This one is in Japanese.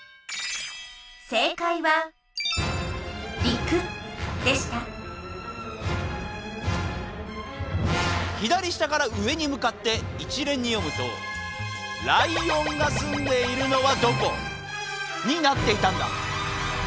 「りく」でした左下から上にむかって一連に読むと「らいおんがすんでいるのはどこ？」になっていたんだ。